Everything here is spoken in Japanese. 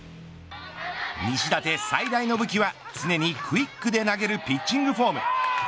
西舘最大の武器は常にクイックで投げるピッチングフォーム。